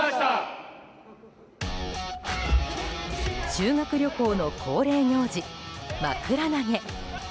修学旅行の恒例行事、枕投げ。